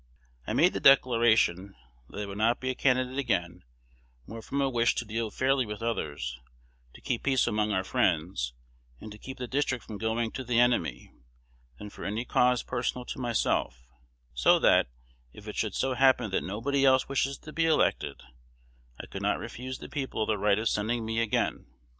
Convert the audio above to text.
I made the declaration, that I would not be a candidate again, more from a wish to deal fairly with others, to keep peace among our friends, and to keep the district from going to the enemy, than for any cause personal to myself; so that, if it should so happen that nobody else wishes to be elected, I could not refuse the people the right of sending me again.